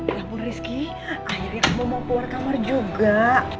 ya ampun rizky akhirnya kamu mau keluar kamar juga